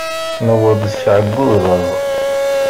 Newweḍ-d s ɛeyyu d laẓ.